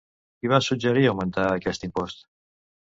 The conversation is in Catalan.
Qui va suggerir augmentar aquest impost?